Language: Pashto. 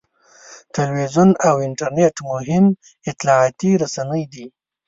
تلویزیون او انټرنېټ مهم اطلاعاتي رسنۍ دي.